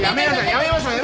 やめましょ。